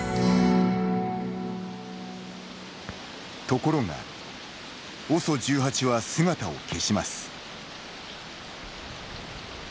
ところがＯＳＯ１８は姿を消します。